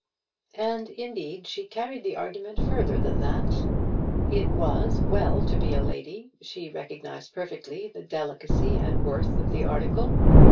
And, indeed, she carried the argument further than that. It was well to be a lady. She recognised perfectly the delicacy and worth of the article.